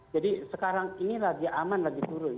jadi sekarang ini lagi aman lagi turun